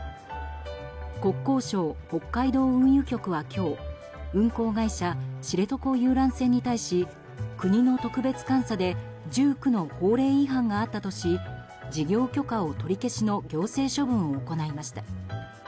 国交省北海道運輸局は今日運航会社、知床遊覧船に対し国の特別監査で１９の法令違反があったとし事業許可を取り消しの行政処分を行いました。